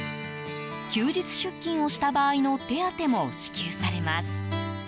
休日出勤をした場合の手当も支給されます。